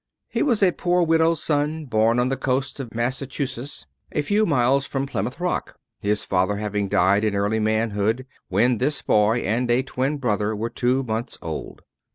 He was a poor widow's son, born on the coast of Massachusetts, a few miles from Plymouth Rock; his father having died in early manhood, when this boy and a twin brother were two months old.